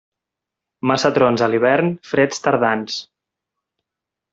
Massa trons a l'hivern, freds tardans.